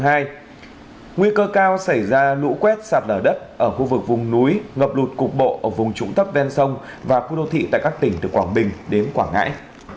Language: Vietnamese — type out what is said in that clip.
trong đợt lũ này nguy cơ cao xảy ra lũ quét sạt lở đất ở khu vực vùng núi ngập lụt cục bộ ở vùng trũng tấp ven sông và khu đô thị tại các tỉnh từ quảng bình đến quảng ngãi